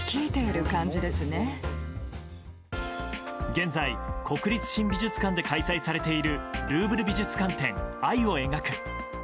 現在、国立新美術館で開催されている「ルーヴル美術館展愛を描く」。